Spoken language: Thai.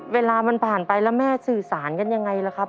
เวลามันผ่านไปแล้วแม่สื่อสารกันยังไงล่ะครับ